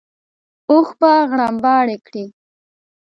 اوښ به غرمباړې کړې.